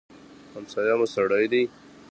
همسايه مو ښه سړی دی.